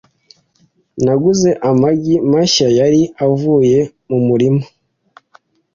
Naguze amagi mashya yari avuye mu murima.